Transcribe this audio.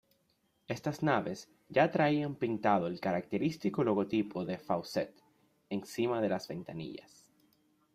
Estas naves ya traían pintado el característico logotipo de Faucett, encima de las ventanillas.